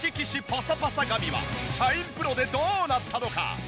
パサパサ髪はシャインプロでどうなったのか？